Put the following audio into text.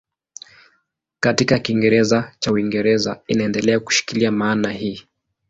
Katika Kiingereza cha Uingereza inaendelea kushikilia maana hii.